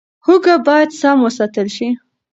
هوږه باید سم وساتل شي.